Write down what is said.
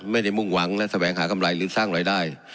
ไม่ได้มุ่งหวังณแสวงหากำไรหรือการสร้างรายได้